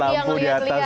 lampu di atas